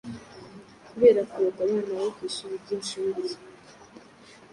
kubera kuroga abana bo ku ishuri ry'incuke